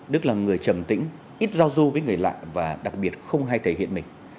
đức là người trầm tĩnh ít giao du với người lạ và đặc biệt không hay thể hiện mình